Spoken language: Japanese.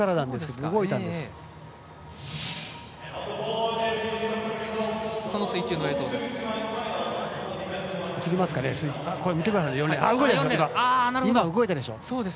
今、動いたでしょ。